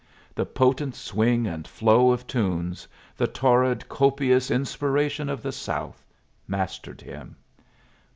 The potent swing and flow of tunes, the torrid, copious inspiration of the South, mastered him.